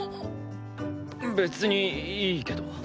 別にいいけど。